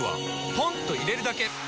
ポンと入れるだけ！